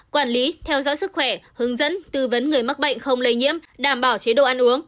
quản lý theo dõi sức khỏe hướng dẫn tư vấn người mắc bệnh không lây nhiễm đảm bảo chế độ ăn uống